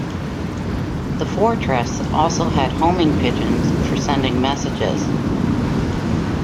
The fortress also had homing pigeons for sending messages.